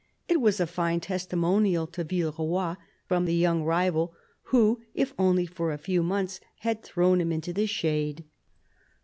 It was a fine testimonial to Villeroy from the young rival who, if only for a few months, had thrown him into the shade.